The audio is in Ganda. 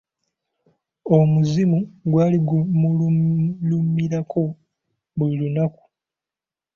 Omuzimu gwali gumululumirako buli lunaku.